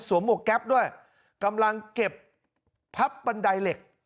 หมวกแก๊ปด้วยกำลังเก็บพับบันไดเหล็ก